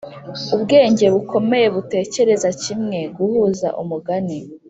ubwenge bukomeye butekereza kimwe guhuza umugani